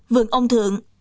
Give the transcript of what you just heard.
vườn ông thượng